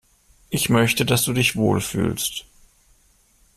Ich möchte, dass du dich wohl fühlst.